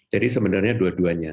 jadi sebenarnya dua duanya